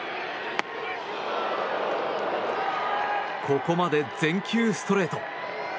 ここまで全球ストレート。